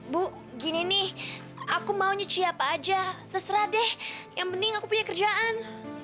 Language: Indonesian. bu gini nih aku mau nyuci apa aja terserah deh yang penting aku punya kerjaan